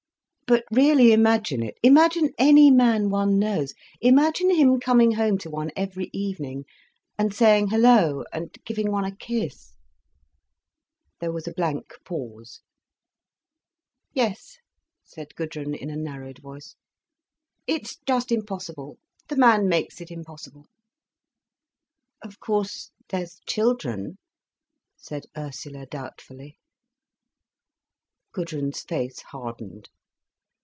But really imagine it: imagine any man one knows, imagine him coming home to one every evening, and saying 'Hello,' and giving one a kiss—" There was a blank pause. "Yes," said Gudrun, in a narrowed voice. "It's just impossible. The man makes it impossible." "Of course there's children—" said Ursula doubtfully. Gudrun's face hardened.